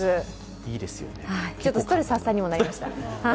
ちょっとストレス発散にもなりました。